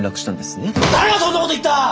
誰がそんなこと言った！